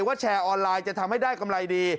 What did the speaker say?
ว่าแชร์ออนไลน์จะทำให้ได้กำไรดี